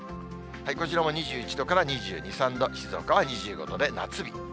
こちらも２１度から２２、３度、静岡は２５度で夏日。